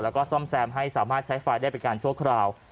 แล้วก็ซ่อมแซมให้สามารถใช้ไฟได้เป็นการชั่วคราว